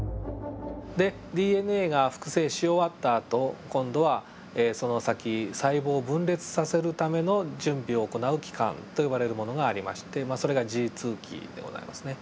でＤＮＡが複製し終わったあと今度はその先細胞を分裂させるための準備を行う期間と呼ばれるものがありましてそれがＧ期でございますね。